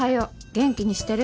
元気にしてる？